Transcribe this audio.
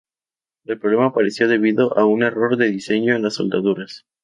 El problema apareció debido a un error de diseño en las soldaduras.